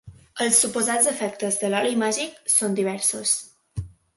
Els suposats efectes de l'oli màgic són diversos.